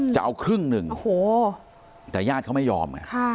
จะเอาครึ่งหนึ่งโอ้โหแต่ญาติเขาไม่ยอมไง